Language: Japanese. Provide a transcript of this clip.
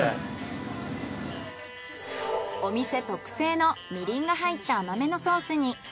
お店特製のみりんが入った甘めのソースに。